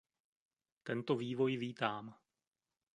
Tento vývoj vítám.